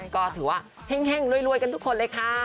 ก็ถือว่าเฮ่งรวยกันทุกคนเลยค่ะ